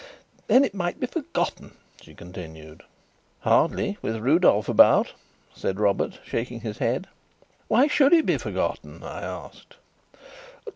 "Then it might be forgotten," she continued. "Hardly with Rudolf about," said Robert, shaking his head. "Why should it be forgotten?" I asked.